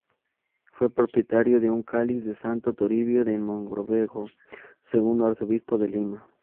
Fue propietario de un cáliz de Santo Toribio de Mogrovejo, segundo arzobispo de Lima.